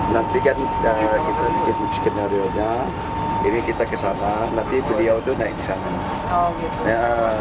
nanti kan kita bikin skenario nya ini kita kesana nanti beliau tuh naik disana